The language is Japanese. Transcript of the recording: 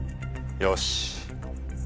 よし！